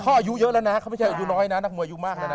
อายุเยอะแล้วนะเขาไม่ใช่อายุน้อยนะนักมวยอายุมากแล้วนะ